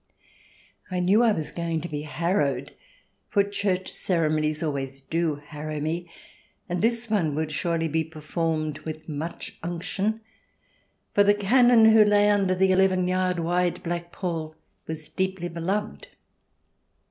I knew I was going to be harrowed, for Church ceremonies always do harrow me, and this one would surely be performed with much unction, for the Canon who lay under the eleven yard wide black pall was deeply beloved.